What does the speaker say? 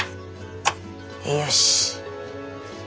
よし。